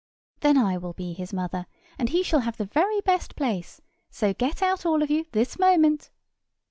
"Then I will be his mother, and he shall have the very best place; so get out, all of you, this moment."